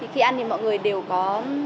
khi ăn thì mọi người đều có